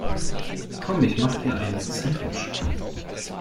Komm ich mach dir ein Sandwich.